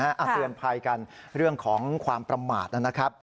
เตือนภัยกันเรื่องของความประมาทนะครับ